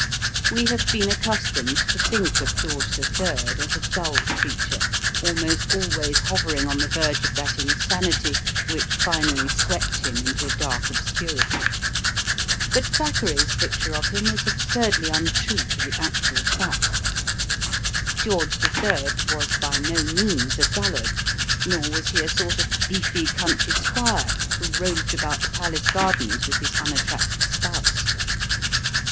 We have become accustomed to think of George III as a dull creature, almost always hovering on the verge of that insanity which finally swept him into a dark obscurity; but Thackeray's picture of him is absurdly untrue to the actual facts. George III. was by no means a dullard, nor was he a sort of beefy country squire who roved about the palace gardens with his unattractive spouse.